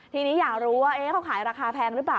ทีนี้อยากรู้ว่าเขาขายราคาแพงหรือเปล่า